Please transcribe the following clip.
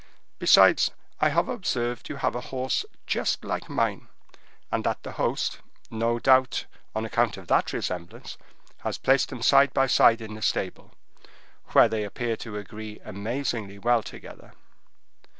Besides, I have observed you have a horse just like mine, and that the host, no doubt on account of that resemblance, has placed them side by side in the stable, where they appear to agree amazingly well together.